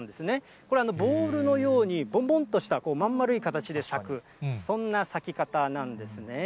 これ、ボールのように、ぼんぼんっとした、真ん丸い形で咲く、そんな咲き方なんですね。